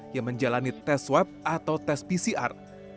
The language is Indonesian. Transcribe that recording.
yang menjalani tes swab atau tes pcr